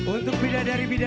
untuk pindah dari perjalanan